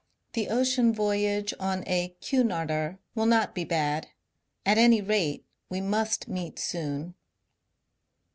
The ocean voyage on a Cunarder will not be bad. At any rate, we must meet soon.